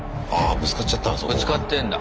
ぶつかってんだ。